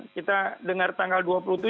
kita dengar tanggal dua puluh tujuh